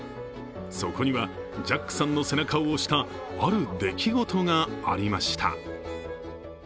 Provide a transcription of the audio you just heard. そこには、ジャックさんの背中を押した、ある出来事がありました。